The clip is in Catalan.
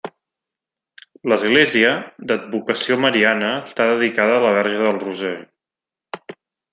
L'església, d'advocació mariana, està dedicada a la Verge del Roser.